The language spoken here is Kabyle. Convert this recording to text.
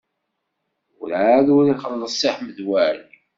Werɛad ur ixelleṣ Si Ḥmed Waɛli.